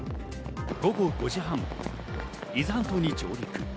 午後５時半頃、伊豆半島に上陸。